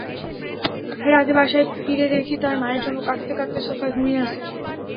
রাতে বাসায় ফিরে দেখি তার মায়ের জন্য কাঁদতে কাঁদতে সোফায় ঘুমিয়ে আছে।